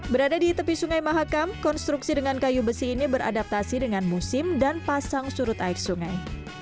berada di tepi sungai mahakam konstruksi dengan kayu besi ini beradaptasi dengan musim dan pasang surut air sungai